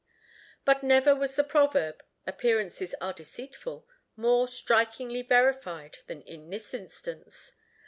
But never was the proverb, "Appearances are deceitful," more strikingly verified than in this instance.